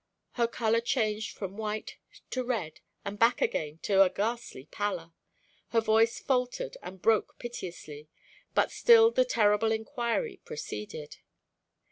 Her color changed from white to red and back again to ghastly pallor, her voice faltered and broke piteously, but still the terrible inquiry proceeded.